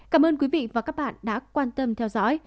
cảm ơn quý vị và các bạn đã quan tâm theo dõi